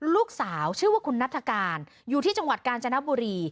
ลูกสาวชื่อว่าคุณนัฐกาลอยู่ที่จังหวัดกาญจนบุรี